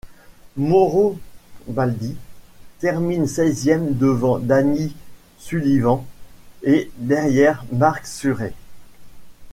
Mauro Baldi termine seizième devant Danny Sullivan et derrière Marc Surer.